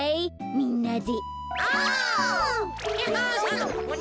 みんなで。